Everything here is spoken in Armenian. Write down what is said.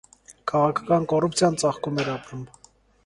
Քաղաքական կոռուպցիան ծաղկում էր ապրում։